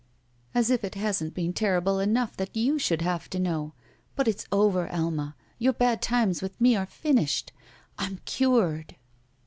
"As if it hasn't been terrible enough that you should have to know. But it's over. Alma. Your bad times with me are finished. I'm cured."